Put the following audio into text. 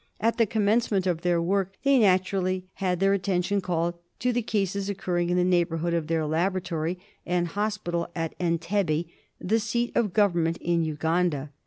At the commencement of their work they naturally had their attention called to the cases occurring in the neighbourhood of their laboratory and hospital at Entebbe, the seat of Government in Uganda.